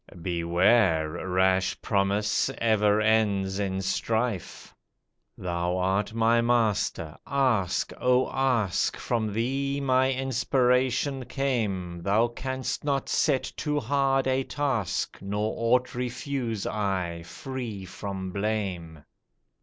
"Beware! Rash promise ever ends in strife." "Thou art my Master, ask! oh ask! From thee my inspiration came, Thou canst not set too hard a task, Nor aught refuse I, free from blame."